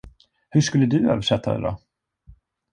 Hur skulle du översätta det då?